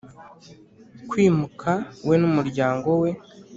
kwimuka we n umuryango we